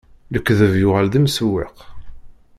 Lekdeb yuɣal d imsewweq.